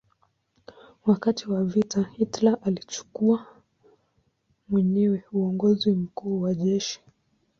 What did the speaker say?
Wakati wa vita Hitler alichukua mwenyewe uongozi mkuu wa jeshi.